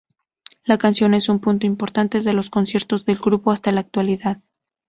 La canción es un punto importante de los conciertos del grupo hasta la actualidad.